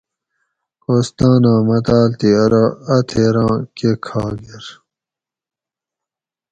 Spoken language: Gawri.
کوستاناۤ متاۤل تھی ارو اۤ تھیراں کہۤ کھاگر